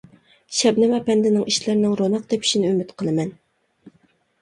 شەبنەم ئەپەندىنىڭ ئىشلىرىنىڭ روناق تېپىشىنى ئۈمىد قىلىمەن.